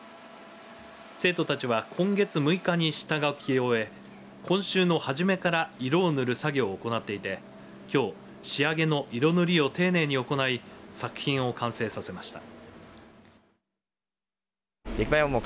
生徒たちは今月６日に下書きを終え今週の初めから色を塗る作業を行っていてきょう仕上げの色塗りを丁寧に行い作品を完成させました。